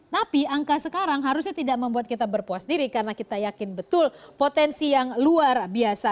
tapi angka sekarang harusnya tidak membuat kita berpuas diri karena kita yakin betul potensi yang luar biasa